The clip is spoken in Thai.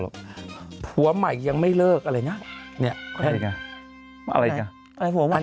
หัวใหม่ยังไม่เลิกอะไรนะ